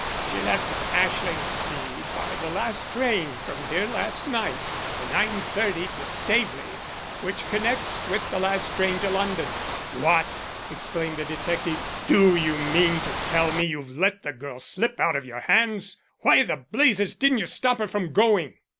"She left Ashlingsea by the last train from here last night the 9.30 to Staveley, which connects with the last train to London." "What!" exclaimed the detective. "Do you mean to tell me you've let the girl slip out of your hands? Why the blazes didn't you stop her from going?"